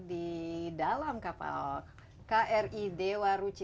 di dalam kapal kri dewa ruci